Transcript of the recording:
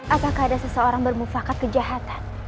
apakah ada seseorang bermufakat kejahatan